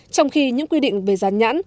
trong khi những quy định về giãn nhãn